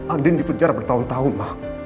andi di penjara bertahun tahun